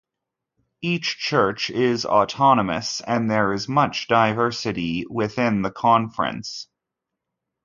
Each church is autonomous and there is much diversity within the conference.